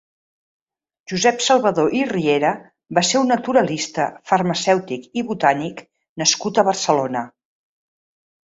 Josep Salvador i Riera va ser un naturalista, farmacèutic i botànic nascut a Barcelona.